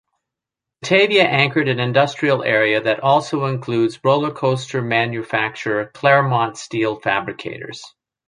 Batavia anchored an industrial area that also includes rollercoaster manufacturer Clermont Steel Fabricators.